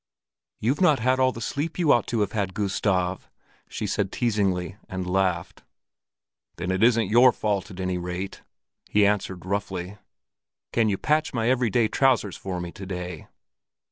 "You've not had all the sleep you ought to have had, Gustav," she said teasingly, and laughed. "Then it isn't your fault, at any rate," he answered roughly. "Can you patch my everyday trousers for me to day?"